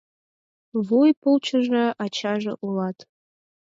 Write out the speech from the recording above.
Вуй пулчышо ачаже улат.